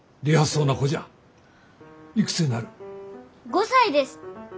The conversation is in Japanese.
５歳です。